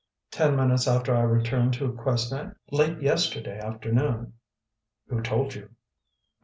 "Ten minutes after I returned to Quesnay, late yesterday afternoon." "Who told you?"